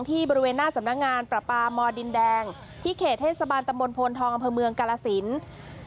บริเวณหน้าสำนักงานประปามดินแดงที่เขตเทศบาลตำบลโพนทองอำเภอเมืองกาลสิน